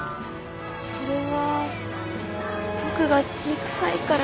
それは僕がじじくさいからで。